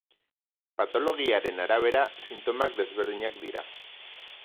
Patologiaren arabera sintomak desberdinak dira.